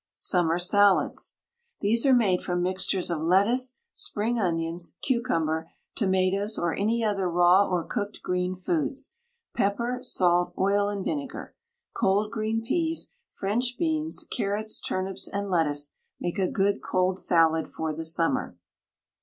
SUMMER SALADS. These are made from mixtures of lettuce, spring onions, cucumber, tomatoes, or any other raw or cooked green foods, pepper, salt, oil, and vinegar. Cold green peas, French beans, carrots, turnips, and lettuce make a good cold salad for the summer.